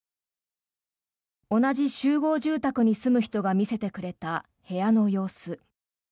同じ集合住宅に住む人が見せてくれた部屋の様子。